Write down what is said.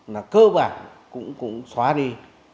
là cơ bản cũng xóa đi